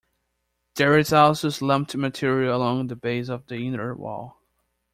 There is also slumped material along the base of the inner wall.